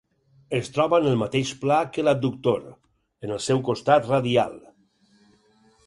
Es troba en el mateix pla que l'abductor, en el seu costat radial.